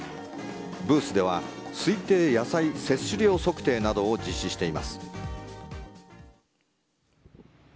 ブースでは推定野菜摂取量測定などを実施しています。